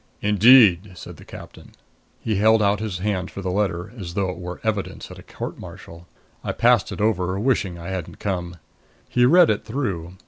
"Indeed!" said the captain. He held out his hand for the letter, as though it were evidence at a court martial. I passed it over, wishing I hadn't come. He read it through.